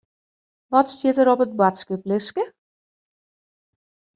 Wat stiet der op it boadskiplistke?